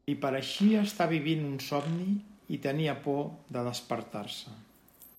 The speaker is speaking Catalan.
Li pareixia estar vivint un somni i tenia por de despertar-se.